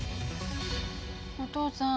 お父さん